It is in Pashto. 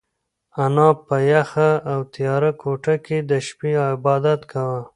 انا په یخه او تیاره کوټه کې د شپې عبادت کاوه.